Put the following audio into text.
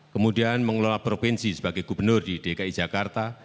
kemudian mengelola provinsi sebagai gubernur di dki jakarta